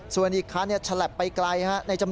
ส่วนอีกครั้งฉลับไปไกลฮะ